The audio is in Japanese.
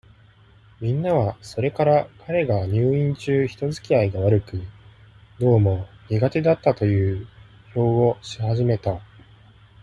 みんなは、それから、彼が入院中、人づきあいが悪く、どうも苦手だったという評をし始めた。